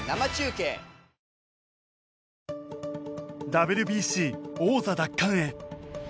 ＷＢＣ王座奪還へ。